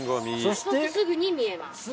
そしてすぐに見えます。